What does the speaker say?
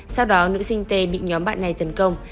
sau đó nữ sinh tê bị nhóm bạn này tấn công